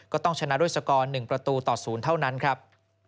ก็ต้องชนะด้วยสกอร์๑ประตูต่อ๐เท่านั้นครับ